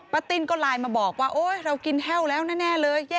ติ้นก็ไลน์มาบอกว่าโอ๊ยเรากินแห้วแล้วแน่เลย